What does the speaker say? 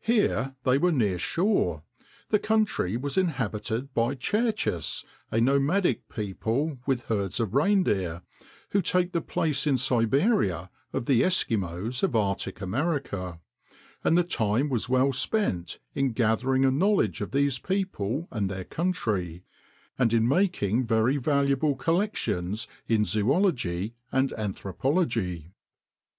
Here they were near shore, the country was inhabited by Tchuktches—a nomadic people, with herds of reindeer, who take the place in Siberia of the Eskimos of Arctic America; and the time was well spent in gathering a knowledge of these people and their country, and in making very valuable collections in zoology and anthropology.